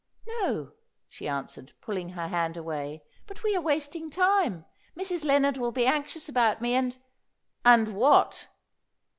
"No," she answered, pulling her hand away; "but we are wasting time. Mrs. Lennard will be anxious about me, and " "And what?"